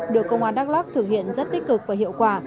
được công an đắk lắc thực hiện rất tích cực và hiệu quả